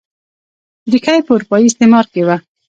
ریښه یې په اروپايي استعمار کې وه.